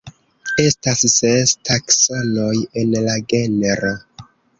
Estas ses taksonoj en la genro.